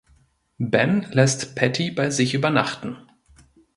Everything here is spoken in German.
Ben lässt Patty bei sich übernachten.